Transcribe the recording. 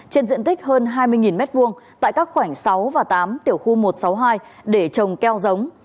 trên diện tích hơn hai mươi m hai tại các khoảnh sáu và tám tiểu khu một trăm sáu mươi hai để trồng keo giống